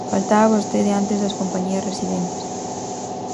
Falaba vostede antes das compañías residentes.